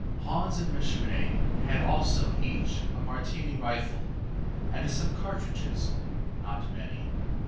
Hans and Mashune had also each a Martini rifle and some cartridges, not many.